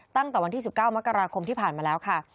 ตั้งแต่วันที่๑๙มกราคมที่ผ่านมาแล้วค่ะ